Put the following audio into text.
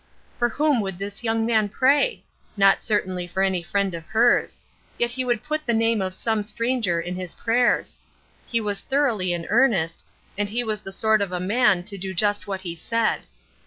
For whom would this young man pray? Not certainly for any friend of hers; yet he would put the name of some stranger in his prayers. He was thoroughly in earnest, and he was the sort of a man to do just what he said.